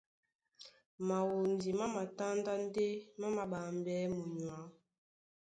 Mawondi má matándá ndé má māɓambɛɛ́ munyuá.